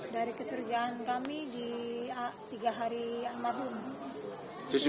dari kecurigaan kami di tiga hari almarhum